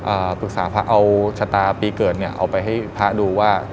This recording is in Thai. ปรึกษาพระเอาชะตาปีเกิดเนี่ยเอาไปให้พระดูว่า